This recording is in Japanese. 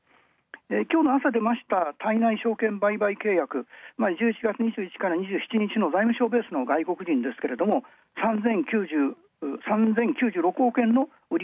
今日の朝出ました対内証券売買契約、１１月２１から２７日の財務省ベースですが３０９６億円の売り